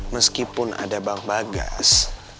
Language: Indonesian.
meskipun ada bank bagas